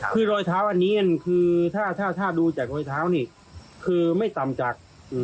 คือรอยเท้าอันนี้คือถ้าถ้าดูจากรอยเท้านี่คือไม่ต่ำจาก